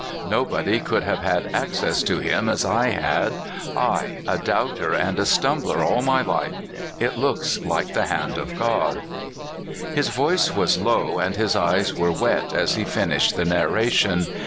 Nobody could have had access to him as I had I, a doubter and a stumbler all my life : it looks like the hand of God !" 254 CALIFORNIA SKETCHES. His voice was low, and his eyes were wet as he finished the narration.